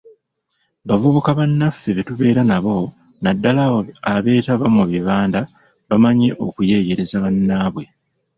Bavubuka bannaffe be tubeera nabo naddala abo abeetaba mu bibanda bamanyi okuyeeyereza bannaabwe.